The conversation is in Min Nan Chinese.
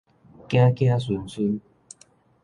囝囝孫孫